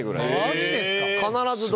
マジですか！